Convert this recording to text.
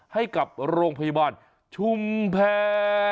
ให้กับโรงพยาบาลชุมแพร